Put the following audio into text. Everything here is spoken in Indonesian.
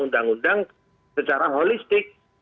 undang undang secara holistik